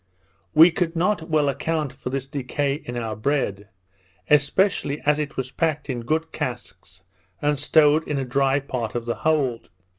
We could not well account for this decay in our bread, especially as it was packed in good casks, and stowed in a dry part of the hold.